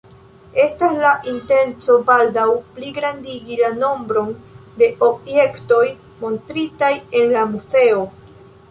Estas la intenco baldaŭ pligrandigi la nombron de objektoj montritaj en la muzeo.